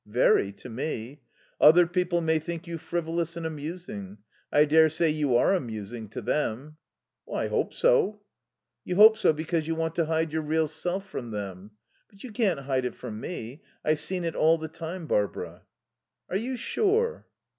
"Very. To me. Other people may think you frivolous and amusing. I daresay you are amusing to them." "I hope so." "You hope so because you want to hide your real self from them. But you can't hide it from me. I've seen it all the time, Barbara." "Are you sure?"